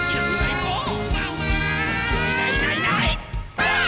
ばあっ！